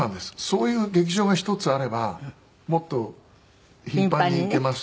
そういう劇場が１つあればもっと頻繁に行けますし。